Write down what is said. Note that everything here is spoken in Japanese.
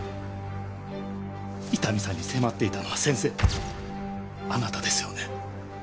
伊丹さんに迫っていたのは先生あなたですよね？